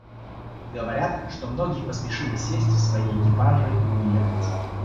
Говорят, что многие поспешили сесть в свои экипажи и уехать.